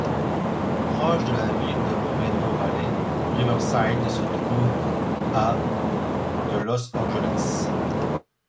Proche de la ville de Moreno Valley, Riverside se trouve à de Los Angeles.